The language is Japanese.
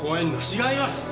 違います！